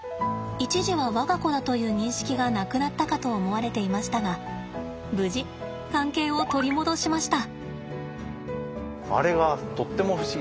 一時は我が子だという認識がなくなったかと思われていましたが無事関係を取り戻しました。